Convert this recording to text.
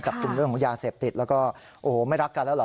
จับกลุ่มเรื่องของยาเสพติดแล้วก็โอ้โหไม่รักกันแล้วเหรอ